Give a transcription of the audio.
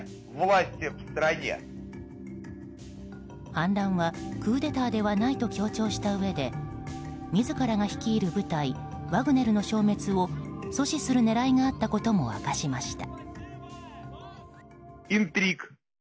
反乱はクーデターではないと強調したうえで自らが率いる部隊ワグネルの消滅を阻止する狙いがあったことも明かしました。